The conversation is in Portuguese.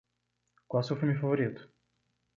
Qual seu filme favorito?